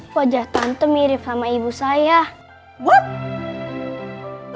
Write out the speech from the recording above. ngarang lo sebagai pelayan ke